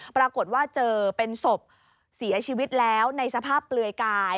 ปรากฏว่าเจอเป็นศพเสียชีวิตแล้วในสภาพเปลือยกาย